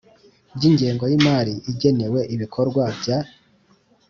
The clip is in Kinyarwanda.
By ingengo y imari igenewe ibikorwa bya